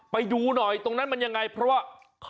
ไปอยู่หน่อยยังไงข้อกระดูก